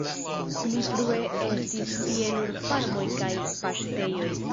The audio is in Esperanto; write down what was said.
Pli frue estis tie nur farmoj kaj paŝtejoj.